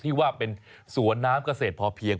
ที่ว่าเป็นสวนน้ำเกษตรพอเพียง